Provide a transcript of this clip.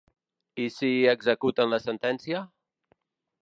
I si executen la sentència?